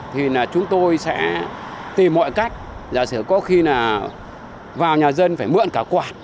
thì là chúng tôi sẽ tìm mọi cách giả sử có khi là vào nhà dân phải mượn cả quạt